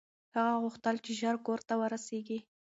هغه غوښتل چې ژر کور ته ورسېږي.